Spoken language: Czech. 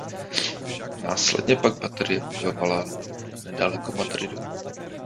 Následně pak baterie bojovala nedaleko Madridu.